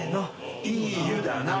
いい湯だな。